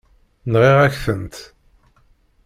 Nɣiɣ-ak-tent.